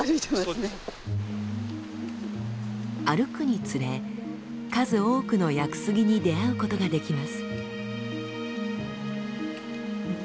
歩くにつれ数多くの屋久杉に出会うことができます。